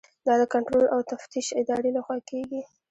دا د کنټرول او تفتیش ادارې لخوا کیږي.